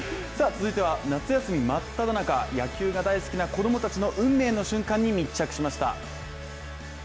続いては夏休みまっただ中野球が大好きな子供たちの運命の瞬間に密着しました。